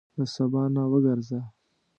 له سبا نه وګرځه.